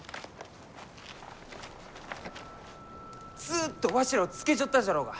ずっとわしらをつけちょったじゃろうが！